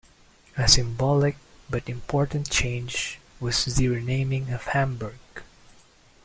A symbolic but important change was the "renaming" of Hamburg.